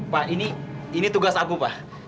pak ini tugas aku pak